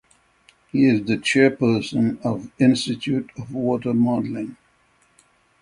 He is the chairperson of Institute of Water Modelling.